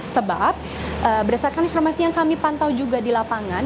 sebab berdasarkan informasi yang kami pantau juga di lapangan